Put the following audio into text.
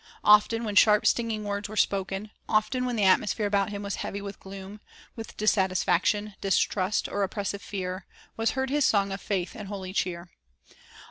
Often when sharp, stinging words were spoken,, often when the atmosphere about Him was heavy with gloom, with dissatisfaction, distrust, or oppressive fear, was heard His song of faith and holy cheer.